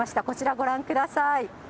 こちら、ご覧ください。